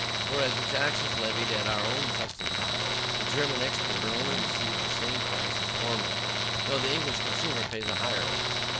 For, as the tax is levied at our own custom house, the German exporter only receives the same price as formerly, though the English consumer pays a higher one.